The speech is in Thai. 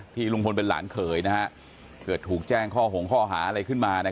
ลุงพลเป็นหลานเขยเกิดถูกแจ้งข้อหงข้อหาอะไรขึ้นมา